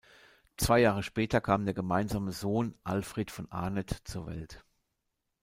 Zwei Jahre später kam der gemeinsame Sohn Alfred von Arneth zur Welt.